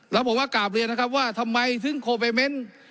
แล้วผมก็กราบเรียนนะครับว่าทำไมถึงโคไปเมนต์